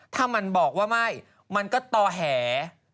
ถ้ามันบอกว่าไม่มันก็ต่อ